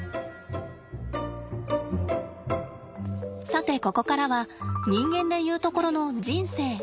さてここからは人間で言うところの人生。